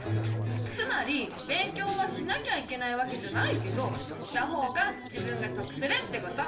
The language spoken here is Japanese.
つまり勉強はしなきゃいけないわけじゃないけどしたほうが自分がとくするってこと。